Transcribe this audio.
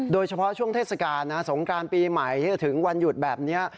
โดยเฉพาะช่วงเทศกาลนะสงการปีใหม่ที่จะถึงวันหยุดแบบนี้